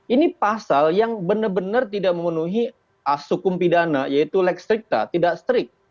ini pasal yang benar benar tidak memenuhi hukum pidana yaitu lextrikta tidak strik